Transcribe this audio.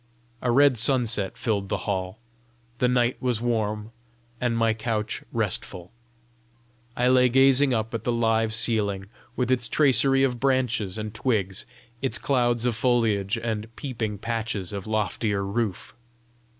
A red sunset filled the hall, the night was warm, and my couch restful; I lay gazing up at the live ceiling, with its tracery of branches and twigs, its clouds of foliage, and peeping patches of loftier roof.